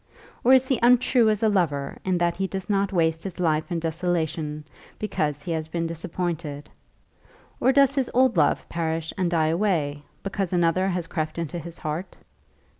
Or is he untrue as a lover in that he does not waste his life in desolation, because he has been disappointed? Or does his old love perish and die away, because another has crept into his heart?